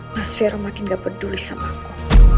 mas fir makin gak peduli sama aku